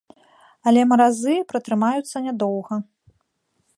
Але маразы пратрымаюцца нядоўга.